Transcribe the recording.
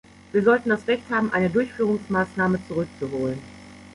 Wir sollten das Recht haben, eine Durchführungsmaßnahme zurückzuholen.